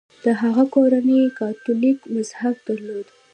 د هغه کورنۍ کاتولیک مذهب درلود.